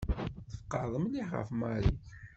Tfeqɛeḍ mliḥ ɣef Mary.